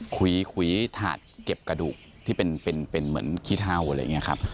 คุยถาดเก็บกระดูกที่เป็นเหมือนขี้เทาอะไรอย่างนี้ครับ